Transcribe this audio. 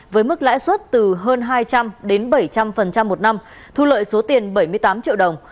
với mức lãi suất từ hơn hai trăm linh đến bảy trăm linh một năm thu lợi số tiền bảy mươi tám triệu đồng